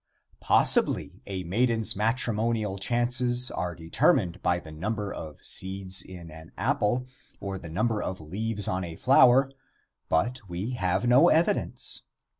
Possibly a maiden's matrimonial chances are determined by the number of seeds in an apple, or by the number of leaves on a flower, but we have no evidence.